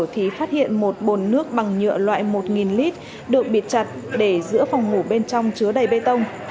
thì phát hiện một bồn nước bằng nhựa loại một lít được bịt chặt để giữa phòng ngủ bên trong chứa đầy bê tông